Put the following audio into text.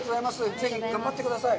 ぜひ、頑張ってください。